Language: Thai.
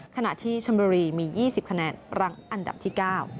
ขณะที่ชมบุรีมี๒๐คะแนนรังอันดับที่๙